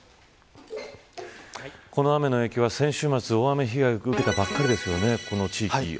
この雨の影響は、先週末大雨被害を受けたばかりですよね